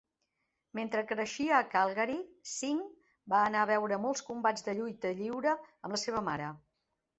Mentre creixia a Calgary, Sing va anar a veure molts combats de lluita lliure amb la seva mare.